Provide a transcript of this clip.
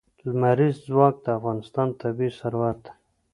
لمریز ځواک د افغانستان طبعي ثروت دی.